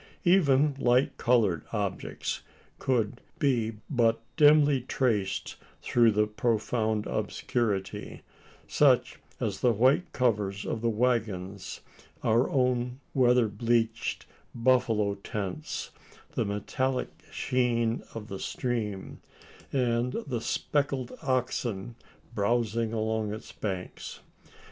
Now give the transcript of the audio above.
Even light coloured objects could be but dimly traced through the profound obscurity such as the white covers of the waggons, our own weather bleached buffalo tents, the metallic sheen of the stream, and the speckled oxen browsing along its banks.